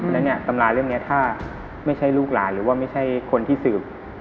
แล้วเนี่ยตำราเล่มนี้ถ้าไม่ใช่ลูกหลานหรือว่าไม่ใช่คนที่สืบ